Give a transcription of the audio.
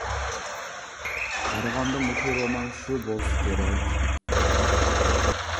قارىغاندا مۇشۇ رومان شۇ بولسا كېرەك.